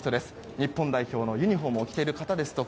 日本代表のユニホームを着ている方ですとか